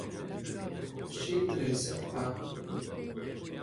Ще й три сяк-так!